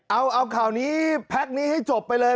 เอาข่าวนี้แพ็คนี้ให้จบไปเลย